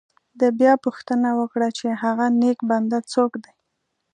ده بیا پوښتنه وکړه چې هغه نیک بنده څوک دی.